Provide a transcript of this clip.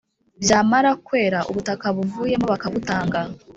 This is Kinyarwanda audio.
byamara kwera ubutaka buvuyemo bakabutanga